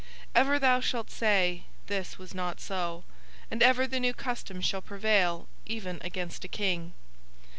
Ever thou shalt say 'This was not so,' and ever the new custom shall prevail even against a King.